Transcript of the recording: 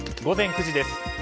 午前９時です。